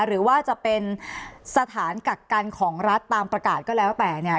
หรือว่าจะเป็นสถานกักกันของรัฐตามประกาศก็แล้วแต่เนี่ย